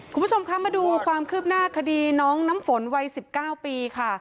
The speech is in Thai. คุณผู้ชมคะมาดูความคืบหน้าคดีน้องน้ำฝนวัย๑๙ปีค่ะ